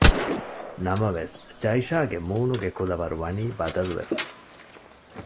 ނަމަވެސް ޖައިޝާގެ މޫނުގެ ކުލަވަރު ވަނީ ބަދަލުވެފަ